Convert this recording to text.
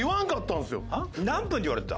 何分って言われてた？